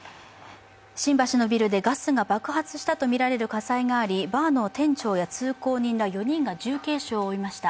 新橋のビルでガスが爆発したとみられる火災がありバーの店長や通行人ら４人が重軽傷を負いました。